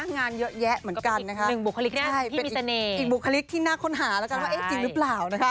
งานเยอะแยะเหมือนกันนะคะเป็นอีกบุคลิกที่น่าค้นหาแล้วกันว่าเอ๊ะจริงหรือเปล่านะคะ